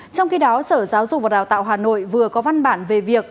trong khi đó sở giáo dục và đào tạo hà nội vừa có văn bản về việc